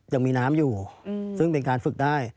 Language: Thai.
ยังมีน้ำอยู่ซึ่งเป็นการฝึกได้